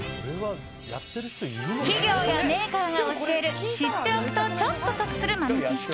企業やメーカーが教える知っておくとちょっと得する豆知識。